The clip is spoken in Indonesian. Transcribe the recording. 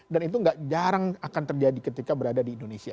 dan itu gak jarang akan terjadi ketika berada di indonesia